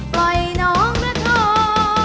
ปล่อยน้องระท่อม